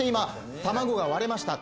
卵が割れました